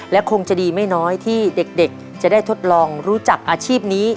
และคงจะดีไม่น้อยที่เด็กจะได้ทดลองรู้จักอาชีพนี้